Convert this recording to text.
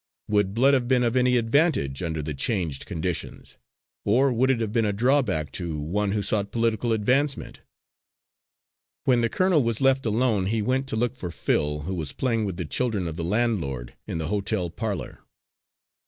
Would blood have been of any advantage, under the changed conditions, or would it have been a drawback to one who sought political advancement? When the colonel was left alone, he went to look for Phil, who was playing with the children of the landlord, in the hotel parlour.